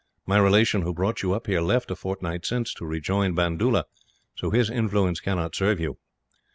My relation who brought you up here left, a fortnight since, to rejoin Bandoola; so his influence cannot serve you.